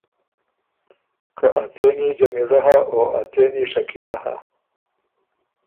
که ا څېن يې جمیلۀ هۀ او ا څېن يې شکیلۀ هۀ۔